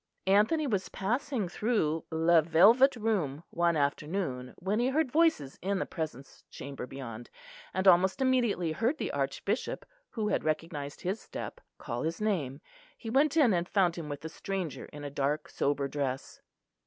Anthony was passing through "le velvet room" one afternoon when he heard voices in the Presence Chamber beyond; and almost immediately heard the Archbishop, who had recognised his step, call his name. He went in and found him with a stranger in a dark sober dress.